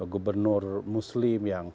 gubernur muslim yang